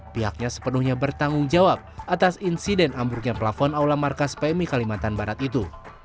pihaknya sepenuhnya bertanggung jawab atas insiden ambruknya plafon aula markas pmi kalimantan barat itu